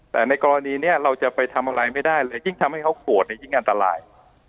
แต่ในกรณีนี้เราจะไปทำอะไรไม่ได้ยิ่งทำให้เขาขวดยิ่งอันตราย